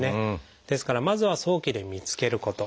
ですからまずは早期で見つけること。